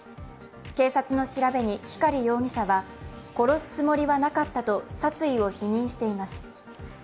警察の調べに光容疑者は殺すつもりはなかったと殺意を否認しています。